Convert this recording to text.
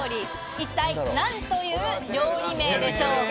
一体何という料理名でしょうか。